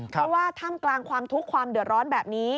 เพราะว่าท่ามกลางความทุกข์ความเดือดร้อนแบบนี้